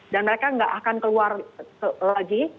dan mereka tidak akan keluar lagi